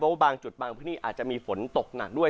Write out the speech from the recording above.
เพราะว่าบางจุดบางพื้นที่อาจจะมีฝนตกหนักด้วย